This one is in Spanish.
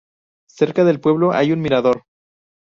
Cerca del pueblo hay un mirador.